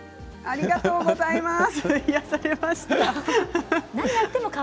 ありがとうございます。